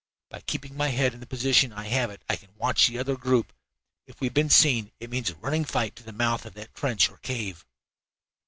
By keeping my head in the position I have it I can watch that other group. If we have been seen it means a running fight to the mouth of that trench or cave."